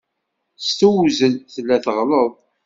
S tewzel, tella teɣleḍ.